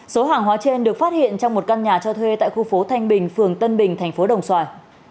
số hàng hóa trên được phát hiện trong một căn nhà cho thuê tại khu phố thanh bình phường tân bình thành phố đồng xoài